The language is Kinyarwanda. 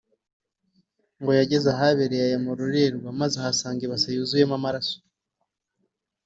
ngo yageze ahabereye aya marorerwa maze ahasanga ibase yuzuye amaraso